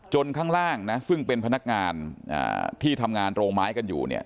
ข้างล่างนะซึ่งเป็นพนักงานที่ทำงานโรงไม้กันอยู่เนี่ย